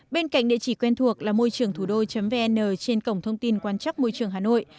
bên cạnh địa chỉ quen thuộc là môi trườngthủđô vn trên cổng thông tin quan trắc môi trường hà nội